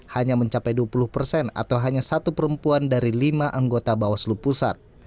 hanya mencapai dua puluh persen atau hanya satu perempuan dari lima anggota bawaslu pusat